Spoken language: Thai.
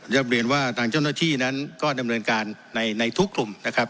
รับเรียนว่าทางเจ้าหน้าที่นั้นก็ดำเนินการในทุกกลุ่มนะครับ